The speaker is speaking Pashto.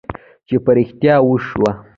چې په رښتیا وشوه.